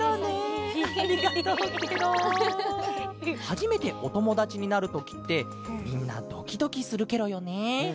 はじめておともだちになるときってみんなドキドキするケロよね。